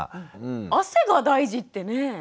汗が大事ってね。ね！